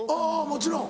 もちろん。